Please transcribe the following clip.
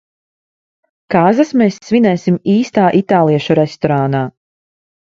Kāzas mēs svinēsim īstā itāliešu restorānā.